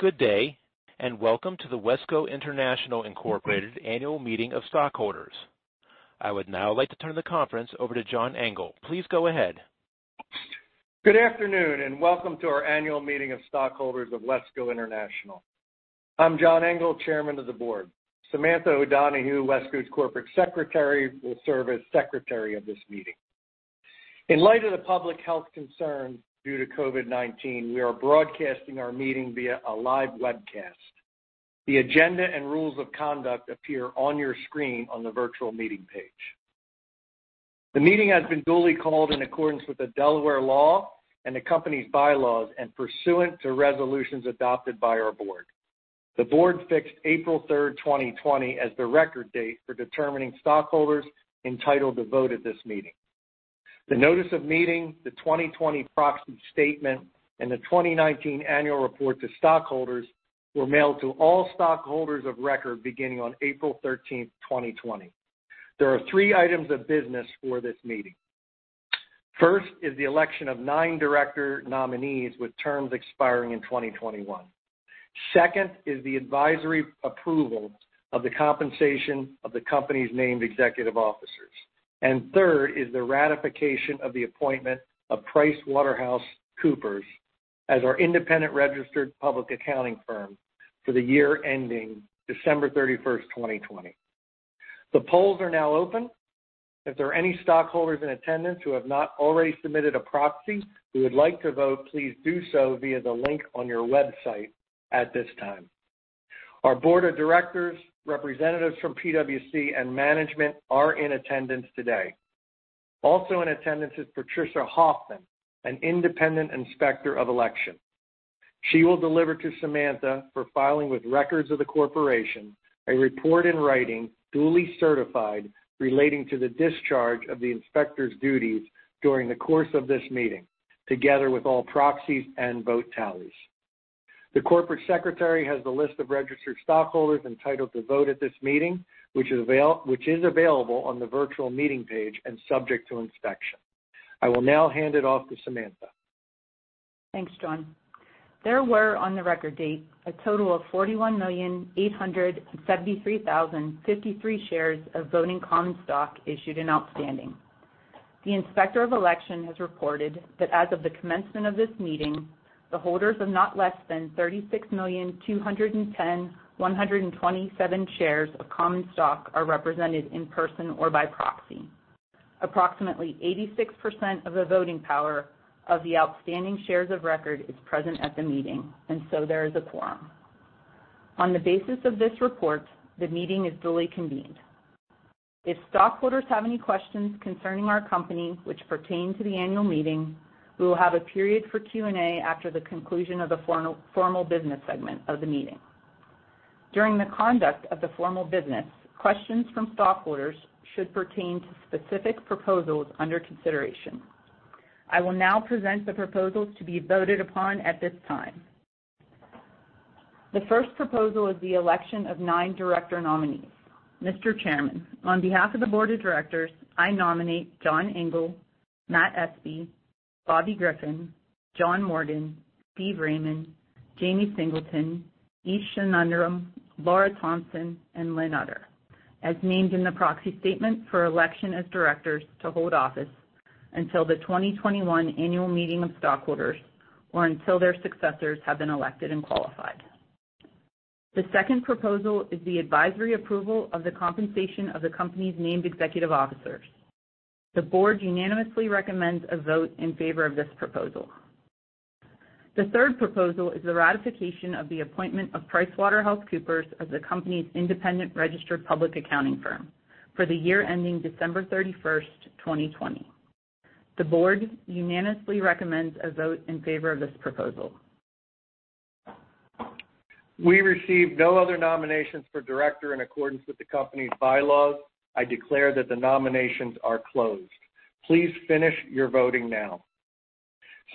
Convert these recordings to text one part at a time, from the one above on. Good day, and welcome to the WESCO International Incorporated annual meeting of stockholders. I would now like to turn the conference over to John Engel. Please go ahead. Good afternoon, and welcome to our annual meeting of stockholders of WESCO International. I'm John Engel, Chairman of the Board. Samantha O'Donoghue, WESCO's Corporate Secretary, will serve as secretary of this meeting. In light of the public health concerns due to COVID-19, we are broadcasting our meeting via a live webcast. The agenda and rules of conduct appear on your screen on the virtual meeting page. The meeting has been duly called in accordance with Delaware Law and the company's bylaws and pursuant to resolutions adopted by our board. The board fixed April 3, 2020, as the record date for determining stockholders entitled to vote at this meeting. The notice of meeting, the 2020 proxy statement, and the 2019 annual report to stockholders were mailed to all stockholders of record beginning on April 13, 2020. There are three items of business for this meeting. First is the election of nine director nominees with terms expiring in 2021. Second is the advisory approval of the compensation of the company's named executive officers. Third is the ratification of the appointment of PricewaterhouseCoopers as our independent registered public accounting firm for the year ending December 31st, 2020. The polls are now open. If there are any stockholders in attendance who have not already submitted a proxy who would like to vote, please do so via the link on your website at this time. Our board of directors, representatives from PwC, and management are in attendance today. Also in attendance is Patricia Hoffman, an independent inspector of election. She will deliver to Samantha for filing with records of the corporation, a report in writing, duly certified, relating to the discharge of the inspector's duties during the course of this meeting, together with all proxies and vote tallies. The Corporate Secretary has the list of registered stockholders entitled to vote at this meeting, which is available on the virtual meeting page and subject to inspection. I will now hand it off to Samantha. Thanks, John. There were, on the record date, a total of 41,873,053 shares of voting common stock issued and outstanding. The inspector of election has reported that as of the commencement of this meeting, the holders of not less than 36,210,127 shares of common stock are represented in person or by proxy. Approximately 86% of the voting power of the outstanding shares of record is present at the meeting, and so there is a quorum. On the basis of this report, the meeting is duly convened. If stockholders have any questions concerning our company which pertain to the annual meeting, we will have a period for Q&A after the conclusion of the formal business segment of the meeting. During the conduct of the formal business, questions from stockholders should pertain to specific proposals under consideration. I will now present the proposals to be voted upon at this time. The first proposal is the election of nine director nominees. Mr. Chairman, on behalf of the board of directors, I nominate John Engel, Matt Espe, Bobby Griffin, John Morgan, Steve Raymund, Jamie Singleton, Esh Sundaram, Laura Thompson, and Lynn Utter, as named in the proxy statement for election as directors to hold office until the 2021 annual meeting of stockholders or until their successors have been elected and qualified. The second proposal is the advisory approval of the compensation of the company's named executive officers. The board unanimously recommends a vote in favor of this proposal. The third proposal is the ratification of the appointment of PricewaterhouseCoopers as the company's independent registered public accounting firm for the year ending December 31st, 2020. The board unanimously recommends a vote in favor of this proposal. We received no other nominations for director in accordance with the company's bylaws. I declare that the nominations are closed. Please finish your voting now.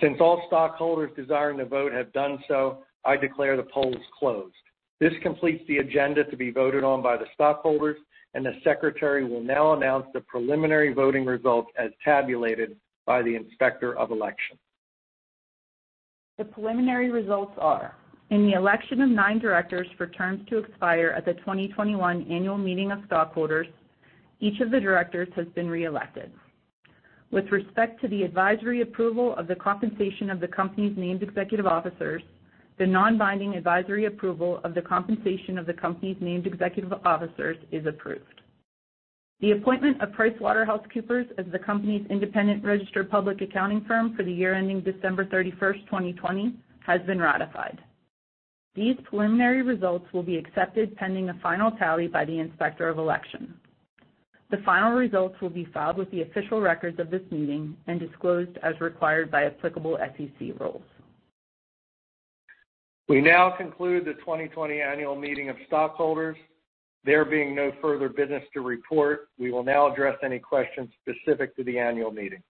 Since all stockholders desiring to vote have done so, I declare the polls closed. This completes the agenda to be voted on by the stockholders. The Secretary will now announce the preliminary voting results as tabulated by the Inspector of Election. The preliminary results are: In the election of nine directors for terms to expire at the 2021 annual meeting of stockholders, each of the directors has been reelected. With respect to the advisory approval of the compensation of the company's named executive officers, the non-binding advisory approval of the compensation of the company's named executive officers is approved. The appointment of PricewaterhouseCoopers as the company's independent registered public accounting firm for the year ending December 31st, 2020, has been ratified. These preliminary results will be accepted pending a final tally by the Inspector of Election. The final results will be filed with the official records of this meeting and disclosed as required by applicable SEC rules. We now conclude the 2020 annual meeting of stockholders. There being no further business to report, we will now address any questions specific to the annual meeting.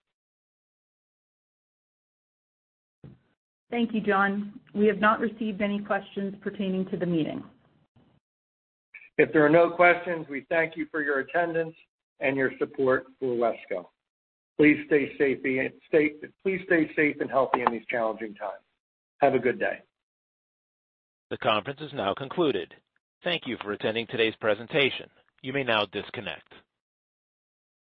Thank you, John. We have not received any questions pertaining to the meeting. If there are no questions, we thank you for your attendance and your support for WESCO. Please stay safe and healthy in these challenging times. Have a good day. The conference is now concluded. Thank you for attending today's presentation. You may now disconnect.